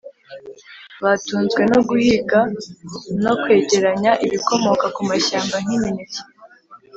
Batunzwe no guhiga no kwegeranya ibikomoka ku mashyamba nk’imineke,